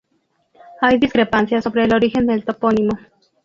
Hay discrepancias sobre el origen del topónimo.